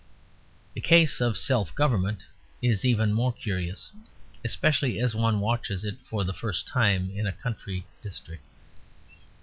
The case of self government is even more curious, especially as one watches it for the first time in a country district.